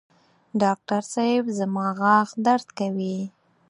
ډاکټر صېب زما غاښ درد کوي